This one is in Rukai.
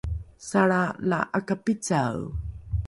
salra la ’akapicae